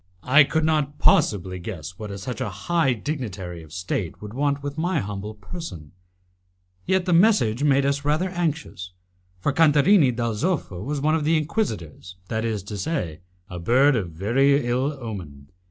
I could not possibly guess what such a high dignitary of State could want with my humble person, yet the message made us rather anxious, for Cantarini dal Zoffo was one of the Inquisitors, that is to say, a bird of very ill omen.